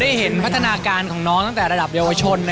เห็นพัฒนาการของน้องตั้งแต่ระดับเยาวชน